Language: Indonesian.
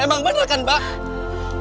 emang bener kan mbak